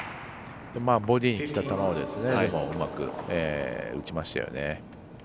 ボディーにきた球をうまく打ちましたよね。